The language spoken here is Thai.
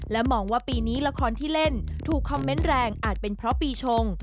มองว่าปีนี้ละครที่เล่นถูกคอมเมนต์แรงอาจเป็นเพราะปีชง